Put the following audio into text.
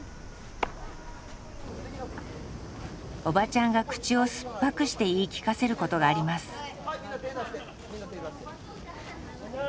おばちゃんが口を酸っぱくして言い聞かせることがあります。